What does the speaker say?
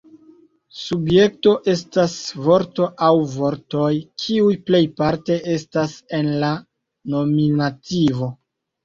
Subjekto estas vorto aŭ vortoj kiu plejparte estas en la nominativo.